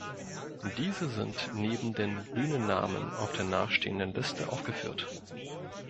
Diese sind neben den Bühnennamen auf der nachstehenden Liste aufgeführt.